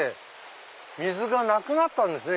水がなくなったんですね